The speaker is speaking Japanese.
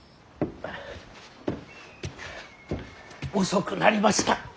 遅くなりました。